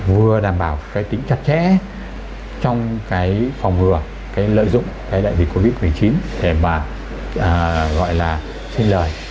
vừa đảm bảo cái tính chặt chẽ trong cái phòng ngừa cái lợi dụng cái đại dịch covid một mươi chín để mà gọi là xin lời